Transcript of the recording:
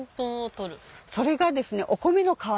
それがですね。